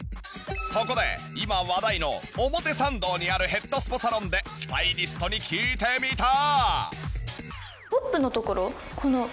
そこで今話題の表参道にあるヘッドスパサロンでスタイリストに聞いてみた！